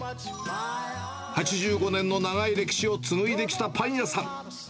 ８５年の長い歴史を紡いできたパン屋さん。